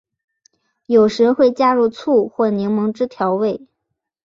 有时会加入醋或柠檬汁调味。